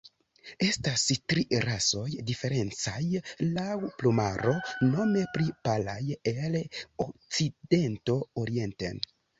Estas tri rasoj diferencaj laŭ plumaro, nome pli palaj el okcidento orienten.